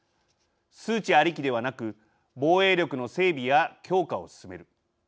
数値ありきではなく防衛力の整備や強化を進める。